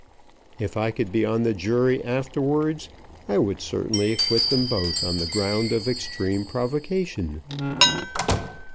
"If I could be on the jury afterwards, I would certainly acquit them both on the ground of extreme provocation."